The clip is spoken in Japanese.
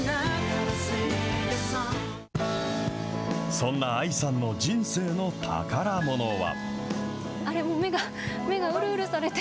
そんなＡＩさんの人生の宝ものは？